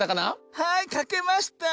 はいかけました！